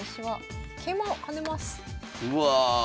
うわ！